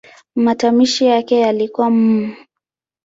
Matamshi yake yalikuwa "m".